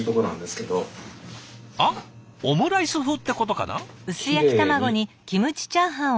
オムライス風ってことかな？